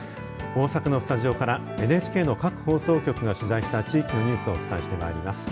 大阪のスタジオからＮＨＫの各放送局が取材した地域のニュースをお伝えしてまいります。